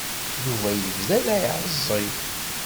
Yuba yebda la iɛeẓẓeg.